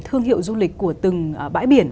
thương hiệu du lịch của từng bãi biển